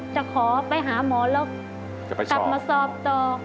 จะขอไปหาหมอแล้วกลับมาสอบต่อ